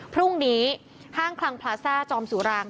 พรุ่งนี้ห้างคลังพลาซ่าจอมสุราง